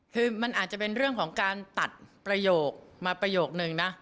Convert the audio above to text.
คือมันอาจจะเป็นเรื่องของการตัดประโยคมาประโยคนึงนะ